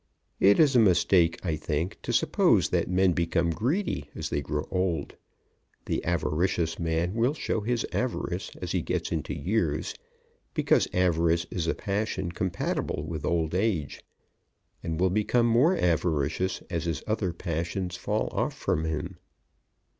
It is a mistake, I think, to suppose that men become greedy as they grow old. The avaricious man will show his avarice as he gets into years, because avarice is a passion compatible with old age, and will become more avaricious as his other passions fall off from him.